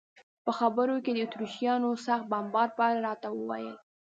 په خبرو کې یې د اتریشیانو د سخت بمبار په اړه راته وویل.